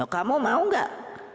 kamu mau gak